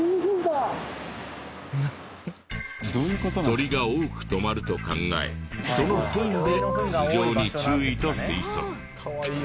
鳥が多く止まると考えそのフンで頭上に注意と推測。